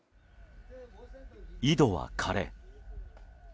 井戸は枯れ。